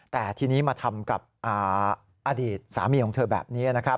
แต่ทีนี้มาทำกับอดีตสามีของเธอแบบนี้นะครับ